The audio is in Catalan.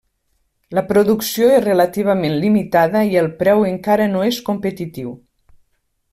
La producció és relativament limitada i el preu encara no és competitiu.